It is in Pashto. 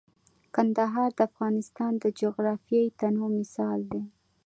کندهار د افغانستان د جغرافیوي تنوع مثال دی.